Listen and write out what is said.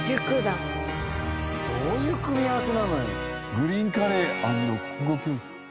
「グリーンカレー＆国語教室」。